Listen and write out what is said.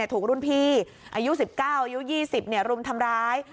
ถูกรุ่นพี่อายุ๑๙อายุ๒๐รุมทำร้าย